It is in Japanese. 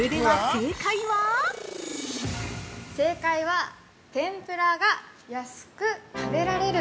◆正解は天ぷらが安く食べられる。